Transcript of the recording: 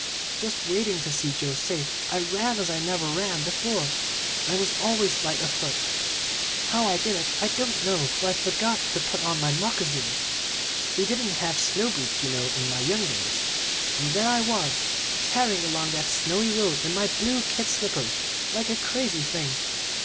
"Just waiting to see Joe safe, I ran as I never ran before, and I was always light of foot. How I did it I don't know, for I'd forgot to put on my moccasins (we didn't have snow boots, you know, in my young days), and there I was, tearing along that snowy road in my blue kid slippers like a crazy thing.